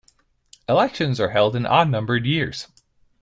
Elections are held in odd-numbered years.